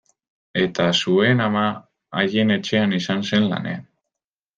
Eta zuen ama haien etxean izan zen lanean.